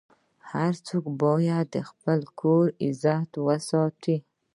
هر څوک باید د خپل کور عزت وساتي.